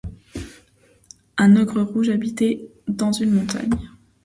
Un ogre rouge habitait dans une montagne.